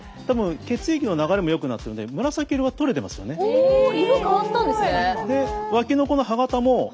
おお色変わったんですね。